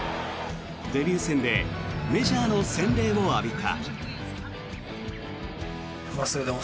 デビュー戦でメジャーの洗礼を浴びた。